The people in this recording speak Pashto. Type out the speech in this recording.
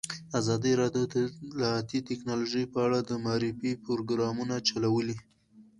ازادي راډیو د اطلاعاتی تکنالوژي په اړه د معارفې پروګرامونه چلولي.